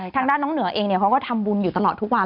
ทางด้านน้องเหนือเองเขาก็ทำบุญอยู่ตลอดทุกวัน